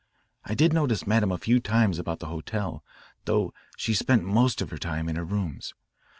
I did notice Madame a few times about the hotel, though she spent most of her time in her rooms.